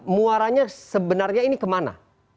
muaranya sebenarnya ini kemana